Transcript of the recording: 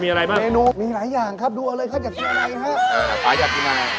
กินได้เหรอ